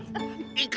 biasa melayuk woy ya